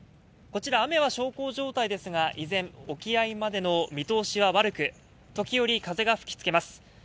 こちら雨は小康状態ですが、依然沖合までの見通しは悪く時折、風が吹きつけます。